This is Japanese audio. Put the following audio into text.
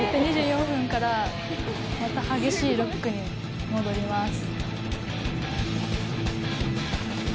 「２４分からまた激しいロックに戻ります」